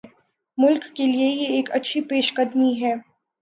ملک کیلئے یہ ایک اچھی پیش قدمی ہے۔